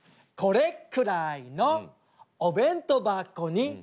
「これくらいのおべんとばこに」